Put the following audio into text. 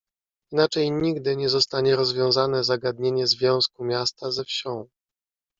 "Inaczej nigdy nie zostanie rozwiązane zagadnienie związku miasta ze wsią“."